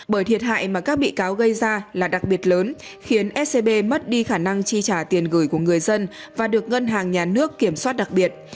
bởi thiệt hại mà các bị cáo gây ra là đặc biệt lớn khiến scb mất đi khả năng chi trả tiền gửi của người dân và được ngân hàng nhà nước kiểm soát đặc biệt